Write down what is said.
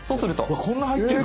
うわこんな入ってる！